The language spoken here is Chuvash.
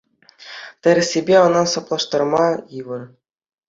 Тӗрӗссипе, ӑна саплаштарма йывӑр.